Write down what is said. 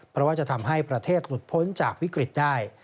เพราะว่าจะทำให้ประเทศหลุดพ้นจากวิกฤตได้